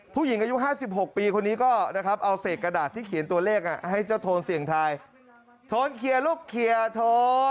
ผู้หญิงอายุ๕๖ปีคนนี้ก็